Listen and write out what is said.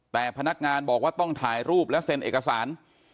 แต่พนักงานบอกว่าต้องถ่ายรูปและเซ็นเอกสาร